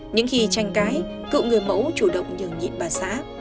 những khi tranh cái cựu người mẫu chủ động nhờ nhịn bà xá